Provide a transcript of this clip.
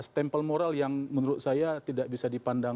stempel moral yang menurut saya tidak bisa dipandang